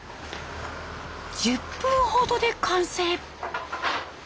１０分ほどで完成。